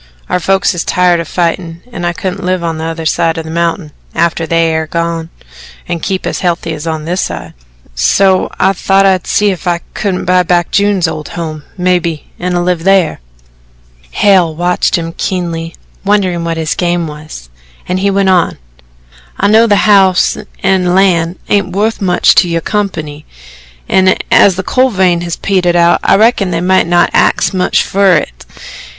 Our folks is tired o' fightin' and I couldn't live on t'other side of the mountain, after they air gone, an' keep as healthy as on this side so I thought I'd see if I couldn't buy back June's old home, mebbe, an' live thar." Hale watched him keenly, wondering what his game was and he went on: "I know the house an' land ain't wuth much to your company, an' as the coal vein has petered out, I reckon they might not axe much fer it."